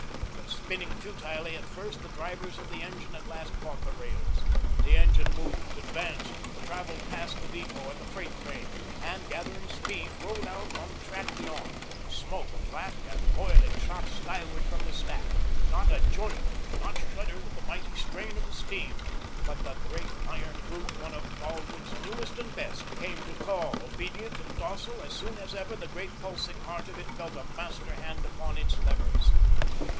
But spinning futilely at first, the drivers of the engine at last caught the rails. The engine moved, advanced, travelled past the depot and the freight train, and gathering speed, rolled out on the track beyond. Smoke, black and boiling, shot skyward from the stack; not a joint that did not shudder with the mighty strain of the steam; but the great iron brute one of Baldwin's newest and best came to call, obedient and docile as soon as ever the great pulsing heart of it felt a master hand upon its levers.